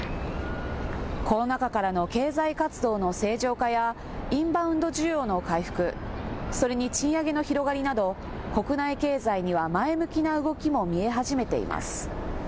コロナ禍からの経済活動の正常化やインバウンド需要の回復、それに賃上げの広がりなど国内経済には前向きな動きも見え始めています。